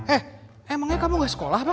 eh emangnya kamu gak sekolah bang